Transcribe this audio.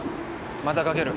またかける。